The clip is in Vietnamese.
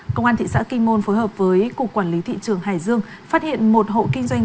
công an thị xã kinh môn phối hợp với cục quản lý thị trường hải dương phát hiện một hộ kinh doanh